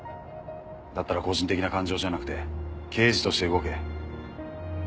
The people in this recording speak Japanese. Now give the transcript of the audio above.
だったら個人的な感情じゃなくて刑事として動け。